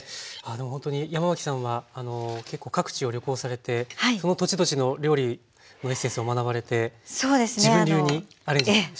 ほんとに山脇さんは結構各地を旅行されてその土地土地の料理のエッセンスを学ばれて自分流にアレンジしてらっしゃるんですね。